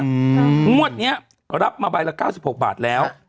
งวดนี้รับมาใบละ๙๖บาทแล้ว